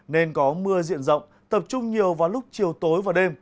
nên có mưa diện rộng tập trung nhiều vào lúc chiều tối và đêm